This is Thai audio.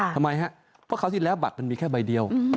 ทำไมฮะเพราะคราวที่แล้วบัตรมันมีแค่ใบเดียว